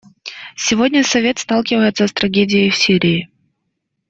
Сегодня Совет сталкивается с трагедией в Сирии.